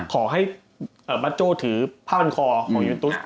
ขอให้เอ่อบาโจถือผ้าบรรคอของยูมนทุษก่อน